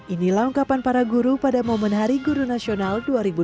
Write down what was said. ini langkapan para guru pada momen hari guru nasional dua ribu dua puluh satu